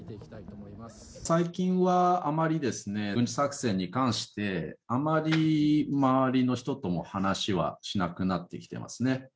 最近は、あまりですね、軍事作戦に関して、あまり周りの人とも話はしなくなってきてますね。